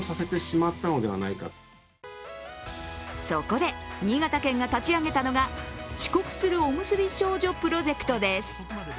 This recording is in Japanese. そこで新潟県が立ち上げたのが遅刻するおむすび少女プロジェクトです。